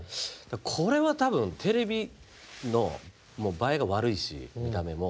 これは多分テレビの映えが悪いし見た目も。